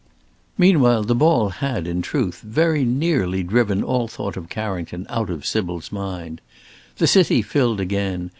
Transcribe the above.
Meanwhile the ball had, in truth, very nearly driven all thought of Carrington out of Sybil's mind. The city filled again.